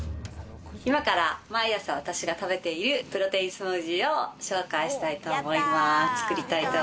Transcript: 今から毎朝私が食べているプロテインスムージーを紹介したいと思います。